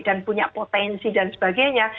dan punya potensi dan sebagainya